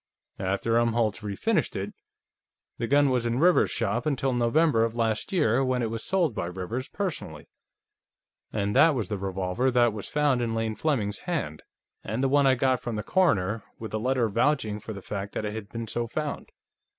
After Umholtz refinished it, the gun was in Rivers's shop until November of last year, when it was sold by Rivers personally. And that was the revolver that was found in Lane Fleming's hand, and the one I got from the coroner, with a letter vouching for the fact that it had been so found."